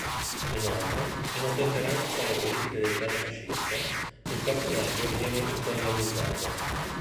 Inoltre in ottemperanza alle politiche dell'Italia fascista il personaggio viene italianizzato.